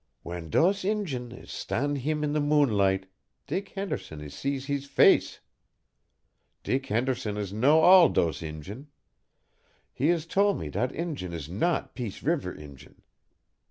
"W'en dose Injun is stan' heem in de moonlight, Dick Henderson is see hees face. Dick Henderson is know all dose Injun. He is tole me dat Injun is not Peace Reever Injun.